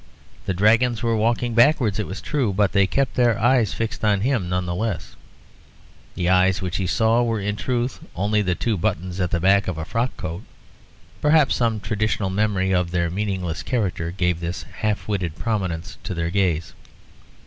The dragons were walking backwards it was true, but they kept their eyes fixed on him none the less. The eyes which he saw were, in truth, only the two buttons at the back of a frock coat: perhaps some traditional memory of their meaningless character gave this half witted prominence to their gaze.